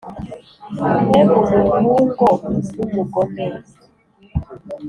Mbega umuhungo w’umugome